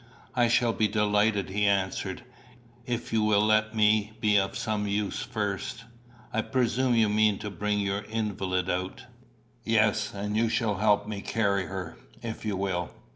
"I shall be delighted," he answered, "if you will let me be of some use first. I presume you mean to bring your invalid out." "Yes; and you shall help me to carry her, if you will."